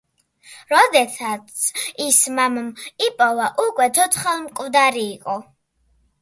როდესაც ის მამამ იპოვა, უკვე ცოცხალ-მკვდარი იყო.